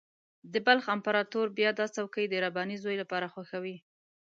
د بلخ امپراطور بیا دا څوکۍ د رباني زوی لپاره خوښوي.